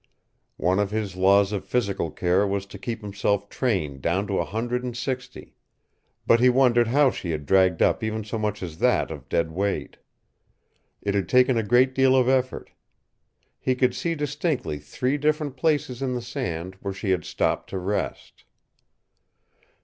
One of his laws of physical care was to keep himself trained down to a hundred and sixty, but he wondered how she had dragged up even so much as that of dead weight. It had taken a great deal of effort. He could see distinctly three different places in the sand where she had stopped to rest.